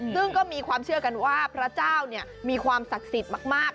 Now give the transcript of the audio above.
ซึ่งก็มีความเชื่อกันว่าพระเจ้ามีความศักดิ์สิทธิ์มาก